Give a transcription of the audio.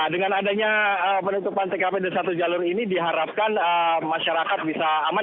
dengan adanya penutupan tkp di satu jalur ini diharapkan masyarakat bisa aman